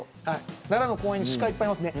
奈良の公園にシカいっぱいますね。